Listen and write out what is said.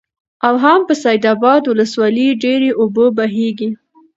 او هم په سيدآباد ولسوالۍ ډېرې اوبه بهيږي،